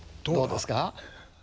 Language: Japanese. どうですか？